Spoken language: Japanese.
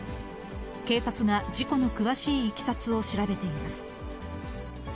警察が事故の詳しいいきさつを調べています。